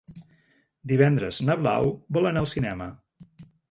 Divendres na Blau vol anar al cinema.